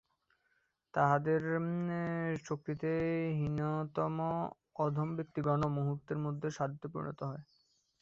তাঁহাদের শক্তিতে হীনতম অধম ব্যক্তিগণও মুহূর্তের মধ্যে সাধুতে পরিণত হয়।